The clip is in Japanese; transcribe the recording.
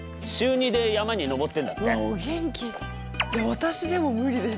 私でも無理です